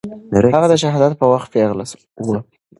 هغه د شهادت په وخت پېغله وه.